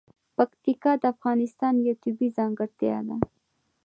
پکتیکا د افغانستان یوه طبیعي ځانګړتیا ده.